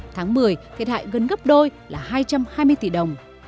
tháng một mươi thiệt hại gần gấp đôi là hai trăm hai mươi tỷ đồng